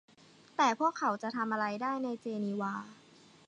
แต่พวกเขาจะทำอะไรได้ในเจนีวา